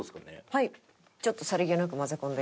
はい。